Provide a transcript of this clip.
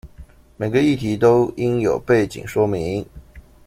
每個議題都應有背景說明